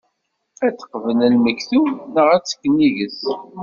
Ad teqbel lmektub, neɣ ad tekk nnig-s?